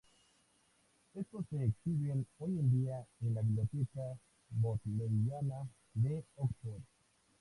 Estos se exhiben hoy en día en la Biblioteca Bodleiana de Oxford.